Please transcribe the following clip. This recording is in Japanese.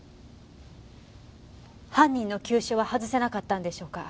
犯人の急所は外せなかったんでしょうか？